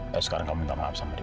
dan sekarang kamu minta maaf sama dia